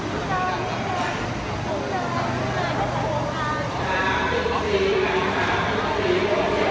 สาธิตรีสาธิตรีสาธิตรีสาธิตรี